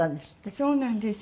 そうなんです。